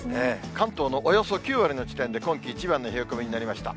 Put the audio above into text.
関東のおよそ９割の地点で今季一番の冷え込みになりました。